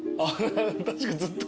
確かにずっと。